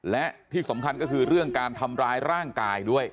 และที่สำคัญก็คือเรื่องการทำร้ายร่างกายด้วย